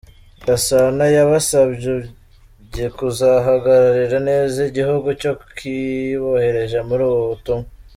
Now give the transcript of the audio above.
Gasana yabasabye kuzahagararira neza igihugu cyo kibohereje muri ubu butumwa.